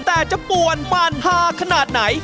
แต่จะป่วนปานฮาขนาดไหน